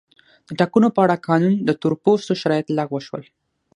د ټاکنو په اړه قانون د تور پوستو شرایط لغوه شول.